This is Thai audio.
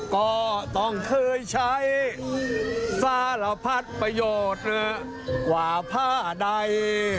ก็ต้องเคยใช้สารพัดประโยชน์กว่าผ้าใด